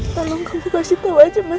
tolong kamu kasih tau aja mas